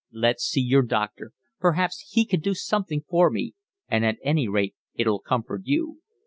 Let's see your doctor, perhaps he can do something for me, and at any rate it'll comfort you."